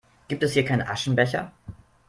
Gibt es hier keinen Aschenbecher?